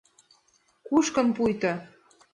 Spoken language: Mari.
Кушкын пуйто